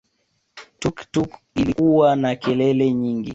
Tuktuk ilikuwa na kelele nyingi